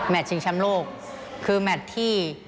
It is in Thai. แมทชิงแชมป์โลกคือแมทที่คนเก่งทุกคน